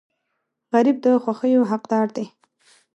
غریب د خوښیو حقدار دی